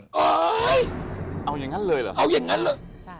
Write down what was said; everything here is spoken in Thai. โอ๊ยเอาอย่างนั้นเลยเหรอใช่